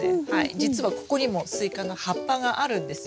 じつはここにもスイカの葉っぱがあるんです。